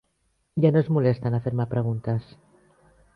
Ja no es molesten a fer-me preguntes.